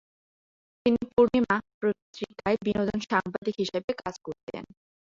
তিনি "পূর্ণিমা" পত্রিকার বিনোদন সাংবাদিক হিসেবে কাজ করতেন।